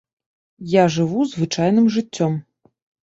Я жыву звычайным жыццём.